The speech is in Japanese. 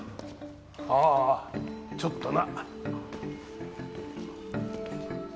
ああちょっとな。